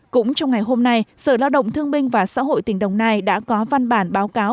cũng trong ngày hôm nay sở lao động thương minh và xã hội tỉnh đồng nai đã có văn bản báo cáo